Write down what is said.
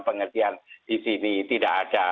pengertian disini tidak ada